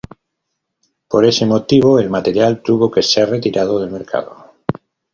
Por ese motivo, el material tuvo que ser retirado del mercado.